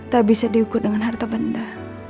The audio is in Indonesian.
tak bisa diukur dengan harta benda